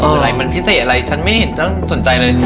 อะไรมันพิเศษอะไรฉันไม่เห็นต้องสนใจเลย